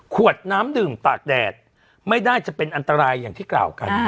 ขวดน้ำดื่มตากแดดไม่ได้จะเป็นอันตรายอย่างที่กล่าวกัน